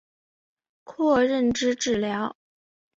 括认知治疗。